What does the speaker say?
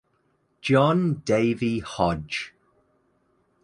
John Davey Hodge.